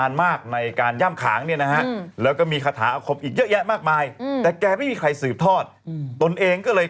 อันนั้นไงตั้งวิธีนะ